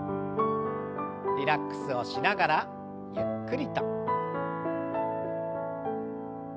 リラックスをしながらゆっくりと。